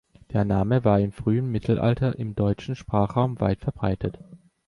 Der Name war im frühen Mittelalter im deutschen Sprachraum weit verbreitet.